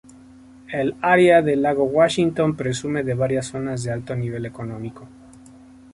El área de Lago Washington presume de varias zonas de alto nivel económico.